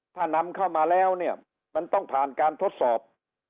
ถ้านำเข้ามาแล้วเนี่ยมันต้องผ่านการทดสอบ